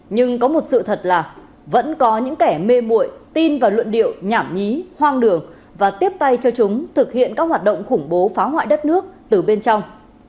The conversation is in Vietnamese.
nhưng có một sự thật là vẫn có những kẻ mê mụi tin vào luận điệu nhảm nhí hoang đường và tiếp tay cho chúng thực hiện các hoạt động khủng bố phá hoại đất nước từ bên trong